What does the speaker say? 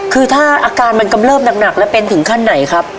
คือถ้าอาการมันกำเริบหนักแล้วเป็นถึงขั้นไหนครับ